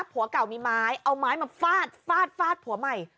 ผัวเก่ามีไม้เอาไม้มาฟาดฟาดฟาดผัวใหม่